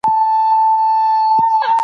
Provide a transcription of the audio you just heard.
مېګرین د کار کولو توان کموي.